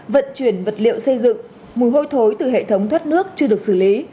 vận chuyển vật liệu xây dựng mùi hôi thối từ hệ thống thoát nước chưa được xử lý